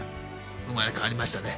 生まれ変わりましたね。